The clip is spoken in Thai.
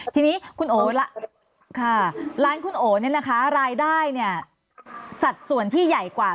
ทีนี้คุณโอ๋ร้านคุณโอ๋รายได้สัดส่วนที่ใหญ่กว่า